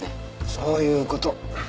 そういう事。